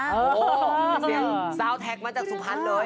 โอ้โฮซาวน์แท็กมาจากสุภัณฑ์เลย